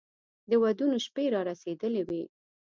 د ودونو شپې را رسېدلې وې.